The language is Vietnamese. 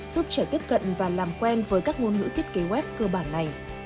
giúp trẻ tiếp cận và làm quen với các ngôn ngữ thiết kế web cơ bản này